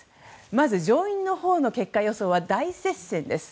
まず上院のほうの結果予想は大接戦です。